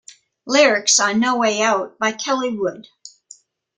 Lyrics on "No Way Out" by Kelly Wood.